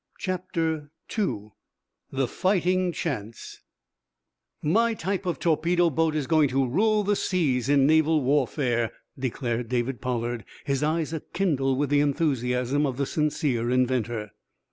CHAPTER II THE FIGHTING CHANCE "My type of torpedo boat is going to rule the seas in naval warfare," declared David Pollard, his eyes a kindle with the enthusiasm of the sincere inventor.